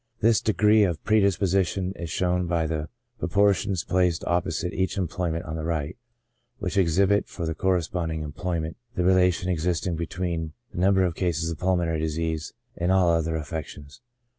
This degree of AS PREDISPOSING TO DISEASE. 167 predisposition is shown by the proportions placed opposite each employment on the right, which exhibit for the cor responding employment the relation existing between the number of cases of pulmonary diseases and all other affec tions.